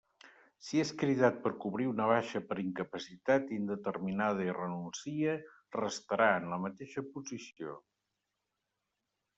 Si és cridat per cobrir una baixa per incapacitat indeterminada i renuncia restarà en la mateixa posició.